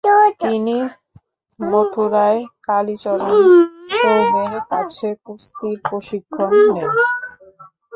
তিনি মথুরার কালিচরণ চৌবের কাছে কুস্তির প্রশিক্ষণ নেন।